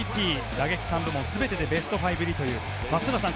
打撃３部門全てでベスト５入りという松坂さん